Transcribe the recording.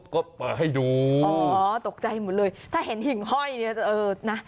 ก็เปิดให้ดูอ๋อตกใจหมดเลยถ้าเห็นหิ่งห้อยเนี่ยจะเออนะ